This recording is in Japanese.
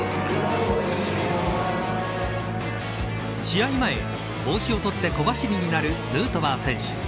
試合前、帽子を取って小走りになるヌートバー選手。